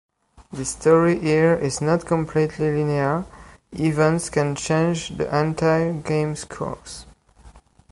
The story here is not completely linear, events can change the entire game's course.